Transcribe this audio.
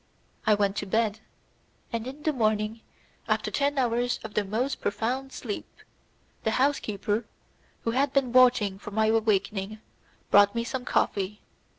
I went to bed, and in the morning, after ten hours of the most profound sleep, the housekeeper, who had been watching for my awakening, brought me some coffee.